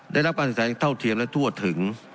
ได้รับการศึกษาขั้นเทียมและทั่วถึง